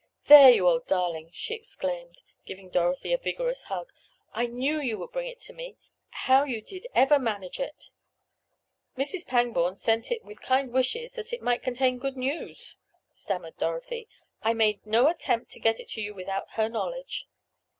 "There, you old darling!" she exclaimed, giving Dorothy a vigorous hug. "I knew you would bring it to me. How you did ever manage it?" "Mrs. Pangborn sent it with kind wishes that it might contain good news," stammered Dorothy. "I made no attempt to get it to you without her knowledge."